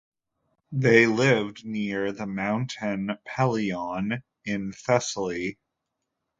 They lived near the Mountain Pelion in Thessaly.